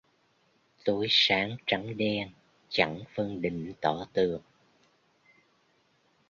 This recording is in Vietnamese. Tối sáng trắng đen chẳng phân định tỏ tường